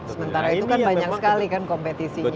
sementara itu kan banyak sekali kan kompetisinya untuk low cost market